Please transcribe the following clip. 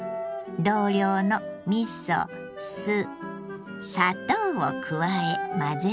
同量のみそ酢砂糖を加え混ぜるだけ。